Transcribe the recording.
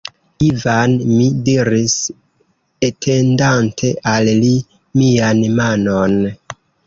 Ivan, mi diris, etendante al li mian manon.